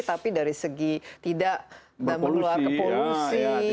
tapi dari segi tidak menular ke polusi